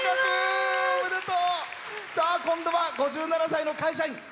今度は５７歳の会社員。